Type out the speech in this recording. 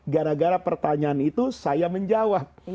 gara gara pertanyaan itu saya menjawab